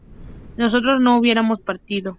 ¿nosotros no hubiéramos partido?